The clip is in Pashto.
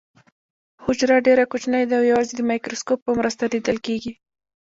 حجره ډیره کوچنۍ ده او یوازې د مایکروسکوپ په مرسته لیدل کیږي